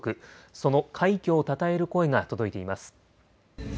その快挙をたたえる声が届いています。